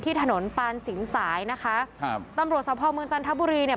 ถนนปานสินสายนะคะครับตำรวจสภเมืองจันทบุรีเนี่ย